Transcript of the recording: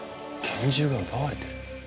拳銃が奪われてる？